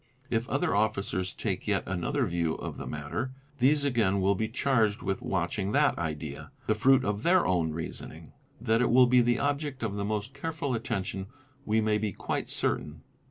If other officers take yet another view of the matter, these again will be charged _ with watching that idea, the fruit of their own reasoning ; that it will be the object of the most careful attention we may be quite certain.